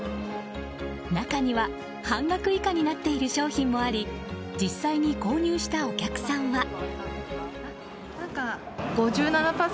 中には半額以下になっている商品もあり実際に購入したお客さんは。